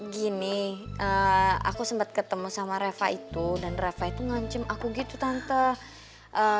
gini aku sempat ketemu sama reva itu dan reva itu ngancem aku gitu tante